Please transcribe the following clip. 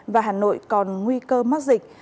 và hà nội còn nguy cơ mắc dịch